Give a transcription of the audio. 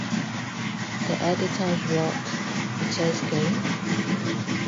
The editors wrote, A chess game?